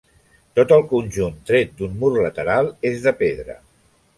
Tot el conjunt, tret d'un mur lateral, és de pedra.